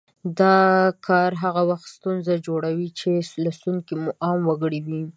دا کار هغه وخت ستونزه جوړوي چې لوستونکي مو عام وګړي وي